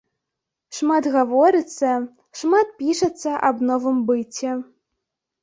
Шмат гаворыцца, шмат пішацца аб новым быце.